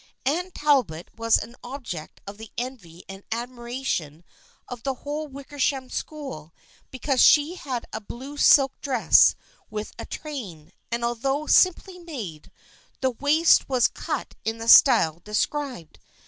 Anne Talbot was an object of the envy and admiration of the whole Wicker sham School because she had a blue silk dress with a train, and although simply made, the waist was cut in the style described.